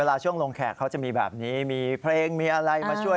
ช่วงลงแขกเขาจะมีแบบนี้มีเพลงมีอะไรมาช่วย